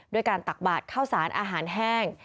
ด้วยการตักบาดข้าวสารอาหารแห้ง